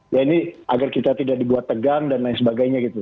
ya ini agar kita tidak dibuat tegang dan lain sebagainya gitu